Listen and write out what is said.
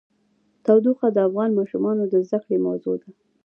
تودوخه د افغان ماشومانو د زده کړې موضوع ده.